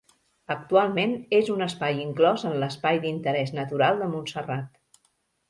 Actualment és un espai inclòs en l'Espai d'Interès Natural de Montserrat.